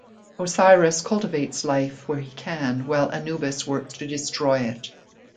Osiris cultivates life where he can, while Anubis works to destroy it.